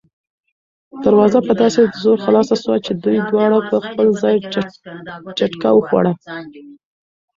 دروازه په داسې زور خلاصه شوه چې دوی دواړه په خپل ځای جټکه وخوړه.